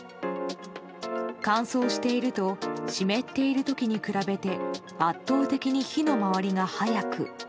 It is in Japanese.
乾燥していると湿っている時に比べて圧倒的に火の回りが早く。